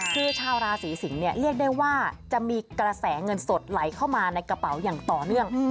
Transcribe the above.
คือชาวราศีสิงศ์เนี่ยเรียกได้ว่าจะมีกระแสเงินสดไหลเข้ามาในกระเป๋าอย่างต่อเนื่อง